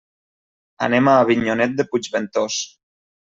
Anem a Avinyonet de Puigventós.